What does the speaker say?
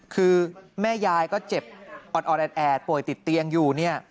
คือแม่ยายก็เจ็บออดแอดป่วยติดเตียงอยู่เนี่ย